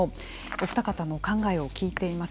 お二方のお考えを聞いています。